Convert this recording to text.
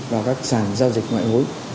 vào các sàn giao dịch ngoại hối